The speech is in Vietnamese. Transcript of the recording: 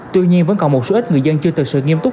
tuy nhiên vẫn còn một số ít người dân chưa thực sự nghiêm túc